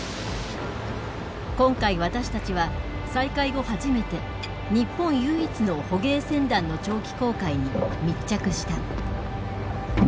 今回私たちは再開後初めて日本唯一の捕鯨船団の長期航海に密着した。